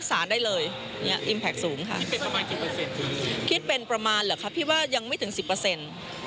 ส่วนใหญ่เป็นเรื่องอะไรอย่างนั้นที่เราเรียน